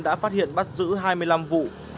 đã phát hiện bắt giữ hai mươi năm vụ